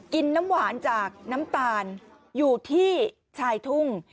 น้ำหวานจากน้ำตาลอยู่ที่ชายทุ่ง